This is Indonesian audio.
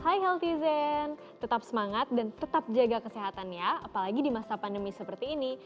hai healthy zen tetap semangat dan tetap jaga kesehatan ya apalagi di masa pandemi seperti ini